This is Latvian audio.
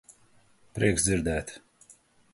Prieks dzirdēt.